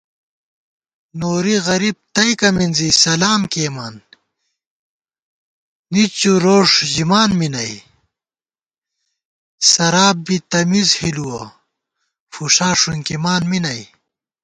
نوری غریب تئیکہ مِنزی سلام کېئیمان نِچّو روݭ ژِمان می نئ * سراپ بی تمیز ہِلُوَہ فُݭا ݭُنکِمان می نئ